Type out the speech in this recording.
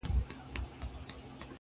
سیاه پوسي ده، دا دی لا خاندي,